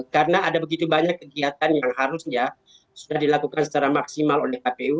karena ada begitu banyak kegiatan yang harusnya sudah dilakukan secara maksimal oleh kpu